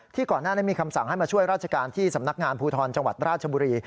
ก่อนหน้านั้นมีคำสั่งให้มาช่วยราชการที่สำนักงานภูทรจังหวัดราชบุรี